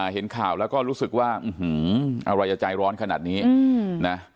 เห็นข่าวแล้วก็รู้สึกว่าอะไรจะใจร้อนขนาดนี้นะ